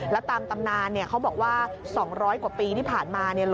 แล้วตามตำนานเขาบอกว่า๒๐๐กว่าปีที่ผ่านมา